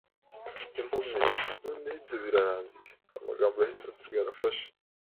Impumyi iti: “Noneho ibyo birangiye.” n'amagambo yahise asigara afashe